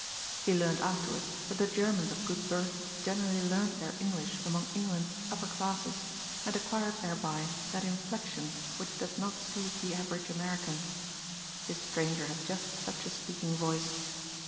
He learned afterwards that the Germans of good birth generally learned their English among England's upper classes and acquired thereby that inflection which does not soothe the average American. This stranger had just such a speaking voice.